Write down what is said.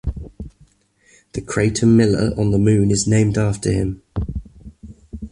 The crater Miller on the Moon is named after him.